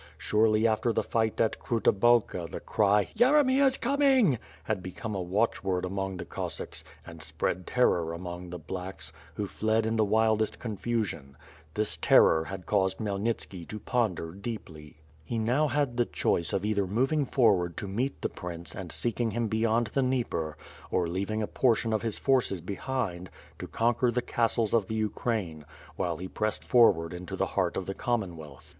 Shortly after the fight at Kruta Balka the cry 196 ^il'B PiRE AND SWORD. *'Yeremy is coming" had become a watchword among the Cos sacks, and spread terror among the "blacks," who fled in the wildest confusion. This terror had caused Khmyelnitski to ponder deeply. He now had the choice of either moving forward to meet the prince and seeking him beyond the Dnieper or leaving a portion of his forces behind, to conquer the castles of the Ukraine; while he pressed forward into the heart of the Com monwealth.